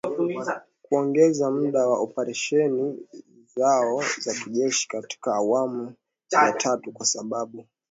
Kuongeza muda wa operesheni zao za kijeshi katika awamu ya tatu, kwa sababu tishio hilo halijatokomezwa.